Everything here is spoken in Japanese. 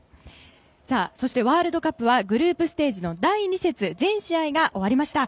そしてワールドカップはグループステージの第２節全試合が終わりました。